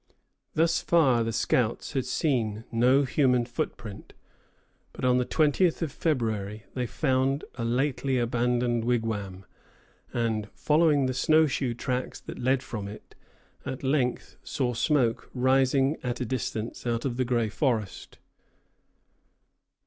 Thus far the scouts had seen no human footprint; but on the twentieth of February they found a lately abandoned wigwam, and, following the snow shoe tracks that led from it, at length saw smoke rising at a distance out of the gray forest.